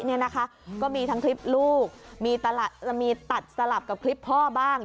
เนี่ยนะคะก็มีทั้งคลิปลูกมีตัดสลับกับคลิปพ่อบ้าง